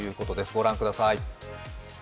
御覧ください。